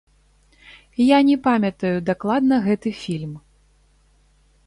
Я не памятаю дакладна гэты фільм.